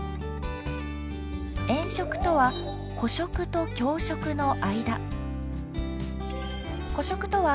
縁食とは「孤食」と「共食」の間。